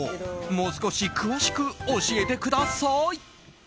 もう少し詳しく教えてください！